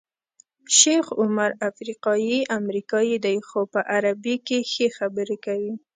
شیخ عمر افریقایی امریکایی دی خو په عربي کې ښې خبرې کوي.